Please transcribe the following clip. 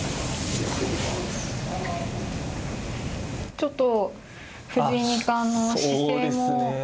ちょっと、藤井二冠の姿勢も。